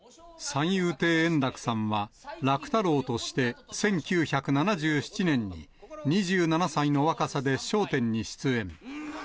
三遊亭円楽さんは、楽太郎として１９７７年に、２７歳の若さで笑点に出演。